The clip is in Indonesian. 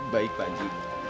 baik pak haji